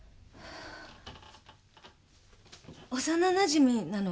幼なじみなの。